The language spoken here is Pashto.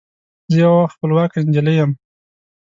زه یوه خپلواکه نجلۍ یم